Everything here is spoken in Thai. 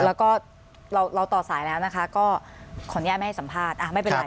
แล้วก็เราต่อสายแล้วนะคะก็ขออนุญาตไม่ให้สัมภาษณ์ไม่เป็นไร